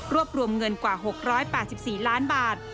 รวมรวมเงินกว่า๖๘๔ล้านบาท